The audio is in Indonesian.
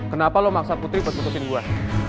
kenapa lo maksa putri pas putusin gue